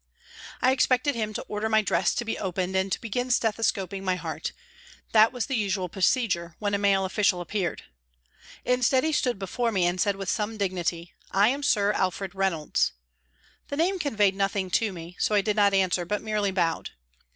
I expected him to order my dress to be opened and to begin stethoscoping my heart that was the usual procedure when a male official ap peared. Instead he stood before me and said with some dignity : "I am Sir Alfred Reynolds." The name conveyed nothing to me, so I did not answer, but merely bowed.